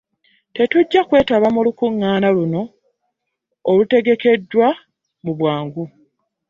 Tetujja kwetaba mu lukuŋŋaana luno olutegekeddwa mu bwangu